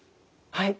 はい。